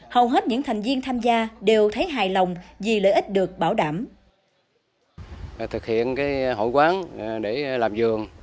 hầu hết những thành viên tham gia đều thấy hài lòng vì lợi ích được bảo đảm